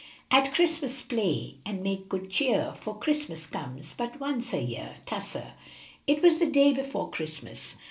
"At Christmas play, and make good cheer, For Christmas comes but once a year." Tusser. It was the day before Christmas.